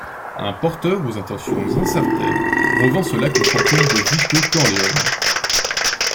Un porteur aux intentions incertaines revend ce lac au fantôme de Vito Corleone.